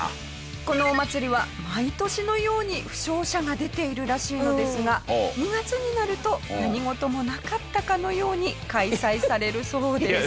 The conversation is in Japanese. このお祭りは毎年のように負傷者が出ているらしいのですが２月になると何事もなかったかのように開催されるそうです。